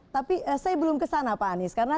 tapi saya belum kesana pak anies karena